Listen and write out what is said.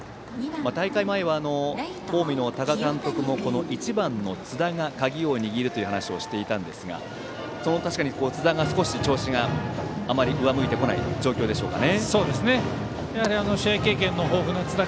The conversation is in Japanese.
大会前は近江の多賀監督も１番の津田が鍵を握るという話をしていたんですが確かに、津田の調子があまり上向いてこない状況でしょうか。